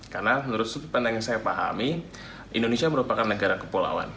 karena menurut pandang yang saya pahami indonesia merupakan negara kepulauan